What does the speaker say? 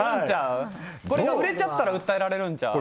これ売れちゃったら訴えられるんちゃう？